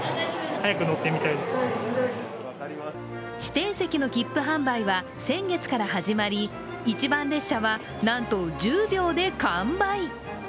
指定席の切符販売は先月から始まり、一番列車はなんと１０秒で完売。